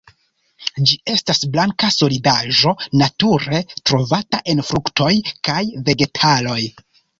Ĝi estas blanka solidaĵo nature trovata en fruktoj kaj vegetaloj.